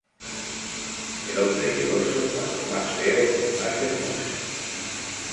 El hombre y el oso cuanto más feo más hermoso